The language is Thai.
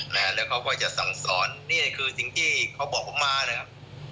แล้วเขาก็จะสั่งสอนนี่คือสิ่งที่เขาบอกผมมานะครับ